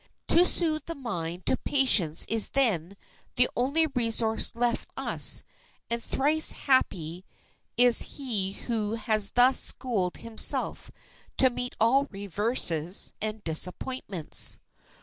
To soothe the mind to patience is, then, the only resource left us, and thrice happy is he who has thus schooled himself to meet all reverses and disappointments.